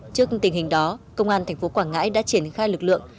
trước tình hình đó công an thành phố quảng ngãi đã triển khai lực lượng